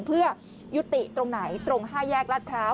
เพื่อยุติตรงไหนตรง๕แยกลาดพร้าว